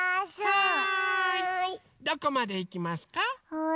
はい！